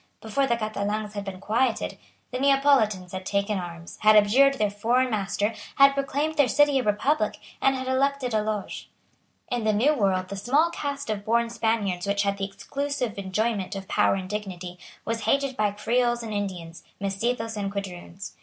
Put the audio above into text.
Before the Catalans had been quieted, the Neapolitans had taken arms, had abjured their foreign master, had proclaimed their city a republic, and had elected a Loge. In the New World the small caste of born Spaniards which had the exclusive enjoyment of power and dignity was hated by Creoles and Indians, Mestizos and Quadroons.